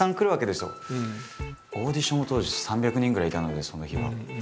オーディションも当時３００人ぐらいいたのでその日は。